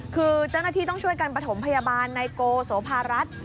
คือเจ้าหน้าที่ต้องช่วยกันประถมพยาบาลนายโกโสภารัฐ